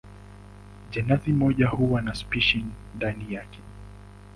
Jenasi moja huwa na spishi ndani yake.